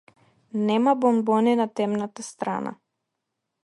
Нема бонбони на темната страна.